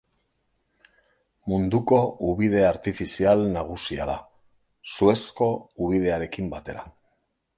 Munduko ubide artifizial nagusia da, Suezko ubidearekin batera.